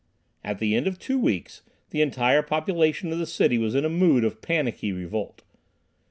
At the end of two weeks the entire population of the city was in a mood of panicky revolt.